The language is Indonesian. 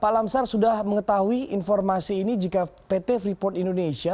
pak lamsar sudah mengetahui informasi ini jika pt freeport indonesia